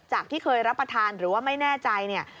ที่เคยรับประทานหรือว่าไม่แน่ใจเนี่ย